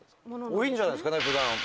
多いんじゃないですかね普段。